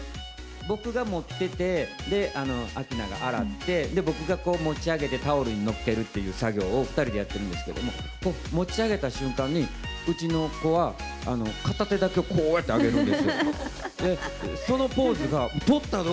僕が持ってて、で、明奈が洗って、僕がこう持ち上げてタオルに乗っけるっていう作業を２人でやってるんですけども、持ち上げた瞬間に、うちの子は、片手だけをこうやって挙げるんですよ。